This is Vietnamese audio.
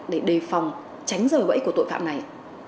để đề phòng tránh rời bẫy của tội phạm này